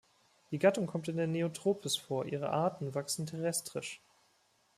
Die Gattung kommt in der Neotropis vor, ihre Arten wachsen terrestrisch.